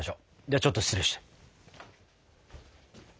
ではちょっと失礼して。